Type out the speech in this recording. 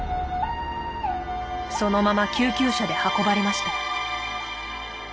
そのまま救急車で運ばれました。